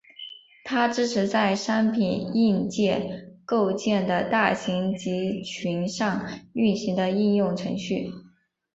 它支持在商品硬件构建的大型集群上运行的应用程序。